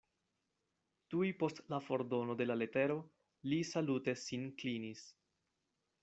Tuj post la fordono de la letero li salute sin klinis.